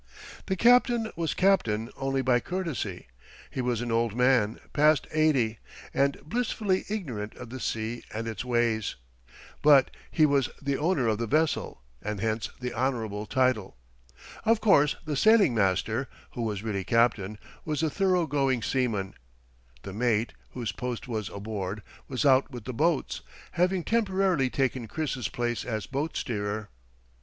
The captain was captain only by courtesy. He was an old man, past eighty, and blissfully ignorant of the sea and its ways; but he was the owner of the vessel, and hence the honorable title. Of course the sailing master, who was really captain, was a thorough going seaman. The mate, whose post was aboard, was out with the boats, having temporarily taken Chris's place as boat steerer.